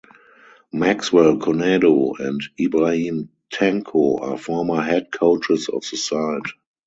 Maxwell Konadu and Ibrahim Tanko are former head coaches of the side.